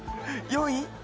４位？